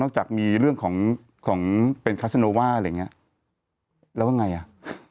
นอกจากมีเรื่องของของเป็นอะไรอย่างเงี้ยแล้วว่าไงอ่ะ